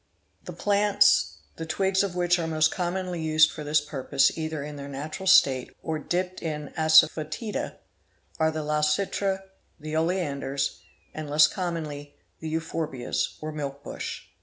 The plants, the twigs of which are most commonly used for this purpose either in their natural state or dipped in assafoetida, are the Lal chitra, the Oleanders, and less commonly the Hwphorbias or milk | bush.